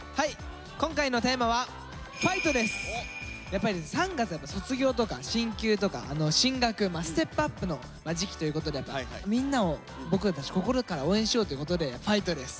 やっぱり３月は卒業とか進級とか進学ステップアップの時期ということでみんなを僕たち心から応援しようということで「ファイト」です。